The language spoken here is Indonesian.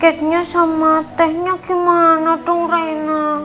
terus ini keknya sama tehnya gimana dong reyna